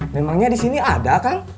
memangnya disini ada kang